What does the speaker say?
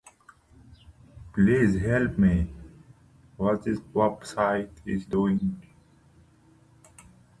This line-up did not last long and released no albums or singles.